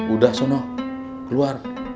udah sonoh keluar